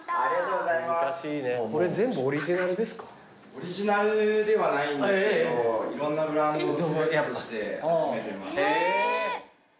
オリジナルではないんですけどいろんなブランドをセレクトして集めてます。